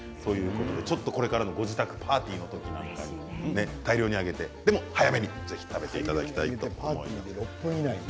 これからご自宅パーティーの時などに大量に揚げてでも早めにぜひ食べていただきたいと思います。